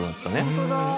本当だ